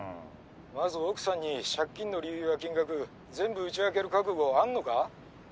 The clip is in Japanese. まず奥さんに借金の理由や金額全部打ち明ける覚悟あんのか？